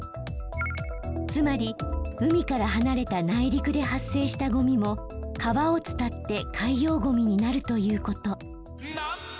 つまり海から離れた内陸で発生したゴミも川を伝って海洋ゴミになるということ。